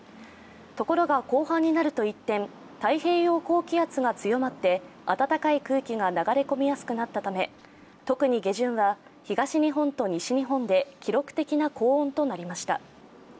ところが、後半になると一転、太平洋高気圧が強まって暖かい空気が流れ込みやすくなったため特に下旬は東日本と西日本で記録的な高温となりました。